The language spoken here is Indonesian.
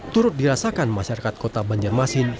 turut dirasakan masyarakat kota banjarmasin